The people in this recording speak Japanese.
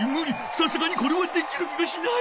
さすがにこれはできる気がしない。